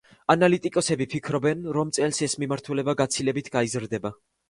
ანალიტიკოსები ფიქრობენ, რომ წელს ეს მიმართულება გაცილებით გაიზრდება.